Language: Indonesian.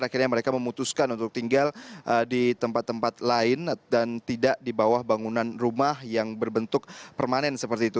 akhirnya mereka memutuskan untuk tinggal di tempat tempat lain dan tidak di bawah bangunan rumah yang berbentuk permanen seperti itu